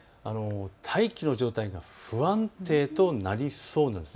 大気の状態が不安定となりそうです。